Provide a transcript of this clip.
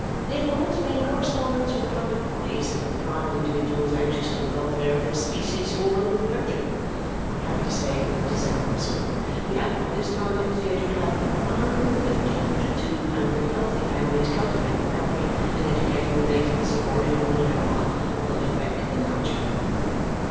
It involves me in correspondence with public bodies and with private individuals anxious for the welfare of their species all over the country. I am happy to say it is advancing. We hope by this time next year to have from a hundred and fifty to two hundred healthy families cultivating coffee and educating the natives of Borrioboola Gha, on the left bank of the Niger."